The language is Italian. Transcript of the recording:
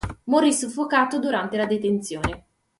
Morì soffocato durante la detenzione.